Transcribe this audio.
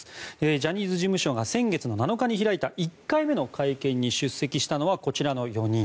ジャニーズ事務所が先月７日に開いた１回目の会見に出席したのはこちらの４人。